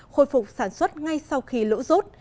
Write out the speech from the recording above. khôi phục sản xuất ngay sau khi lỗ rốt